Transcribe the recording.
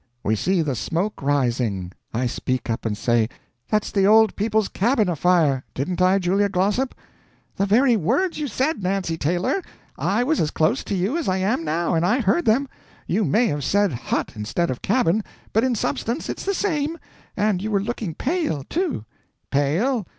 We see the smoke rising. I speak up and say, 'That's the Old People's cabin afire.' Didn't I, Julia Glossop?" "The very words you said, Nancy Taylor. I was as close to you as I am now, and I heard them. You may have said hut instead of cabin, but in substance it's the same. And you were looking pale, too." "Pale?